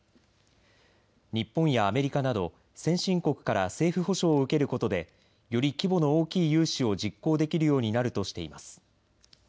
日本やアメリカなど先進国から政府保証を受けることでより規模の大きい融資を実行できるようになるとしています。